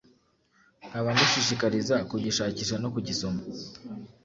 nkaba ngushishikariza kugishakisha no kugisoma